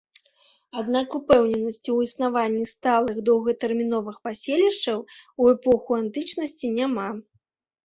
Аднак упэўненасці ў існаванні сталых доўгатэрміновых паселішчаў у эпоху антычнасці няма.